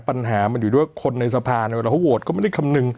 ปัญหามันอยู่ด้วยคนในสะพานแล้วเวอดก็ไม่ได้คำนึง